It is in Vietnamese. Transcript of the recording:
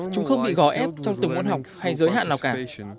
chúng không bị gó ép trong từng môn học hay giới hạn nào cả